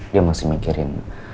dia masih mikirin